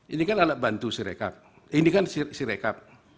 ini kan alat bantu sirekap ini kan sirekap